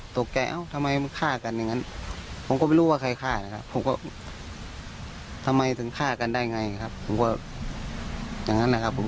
แต่ทางนั้นก็ไม่ได้ติดใจอะไรใช่ไหมครับ